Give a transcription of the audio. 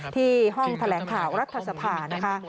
ที่ห้องแถลงข่าวรัฐสภานะคะ